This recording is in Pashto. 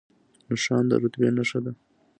نښان د رتبې نښه ده